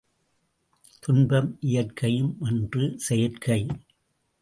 துன்பம் இயற்கையுமன்று, செயற்கை.